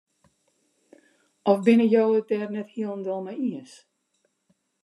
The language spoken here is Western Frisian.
Of binne jo it dêr net hielendal mei iens?